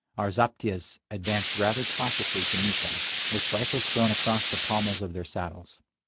Our zaptiehs advanced rather cautiously to meet them, with rifles thrown across the pommels of their saddles.